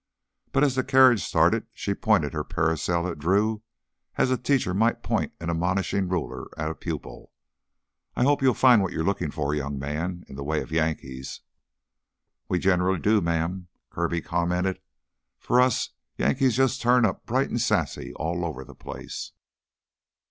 But as the carriage started, she pointed her parasol at Drew as a teacher might point an admonishing ruler at a pupil. "I hope you'll find what you're looking for, young man. In the way of Yankees...." "We generally do, ma'am," Kirby commented. "For us Yankees jus' turn up bright an' sassy all over the place."